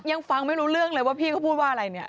ยังฟังไม่รู้เรื่องเลยว่าพี่เขาพูดว่าอะไรเนี่ย